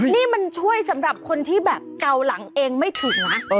นี่มันช่วยสำหรับคนที่แบบเกาหลังเองไม่ถึงนะ